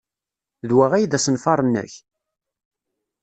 D wa ay d asenfar-nnek?